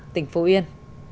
tỉnh phú yên